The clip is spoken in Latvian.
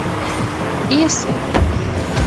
Iesim.